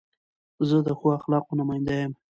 زه د ښو اخلاقو نماینده یم.